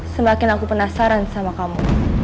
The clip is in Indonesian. semakin aku penasaran sama kamu